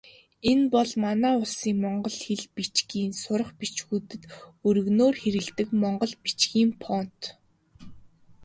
Энэ бол манай улсын монгол хэл, бичгийн сурах бичгүүдэд өргөнөөр хэрэглэдэг монгол бичгийн фонт.